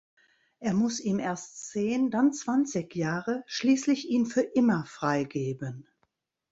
Er muss ihm erst zehn, dann zwanzig Jahre, schließlich ihn für immer freigeben.